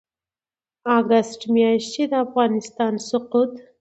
اګسټ میاشتې د افغانستان سقوط